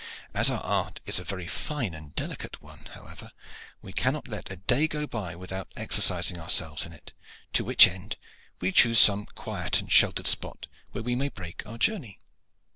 As our art is a very fine and delicate one, however, we cannot let a day go by without exercising ourselves in it, to which end we choose some quiet and sheltered spot where we may break our journey.